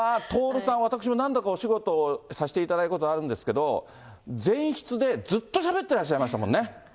まあ、徹さん、私も何度かお仕事をさせていただいたことがあるんですけれども、前室でずっとしゃべってらっしゃいましたからね。